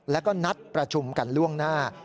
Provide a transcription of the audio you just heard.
แล้วก็นัดประชุมกันล่วงหน้า